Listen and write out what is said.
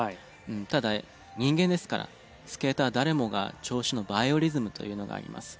ただ人間ですからスケーター誰もが調子のバイオリズムというのがあります。